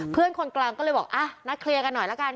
เพื่อนคนกลางก็เลยบอกนัดเคลียร์กันหน่อยละกัน